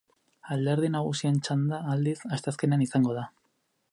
Alderdi nagusien txanda, aldiz, asteazkenean izango da.